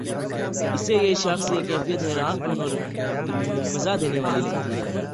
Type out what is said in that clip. اسے یہ شخص یا کیفیت حیران کن اور مزا دینے والی لگتی ہے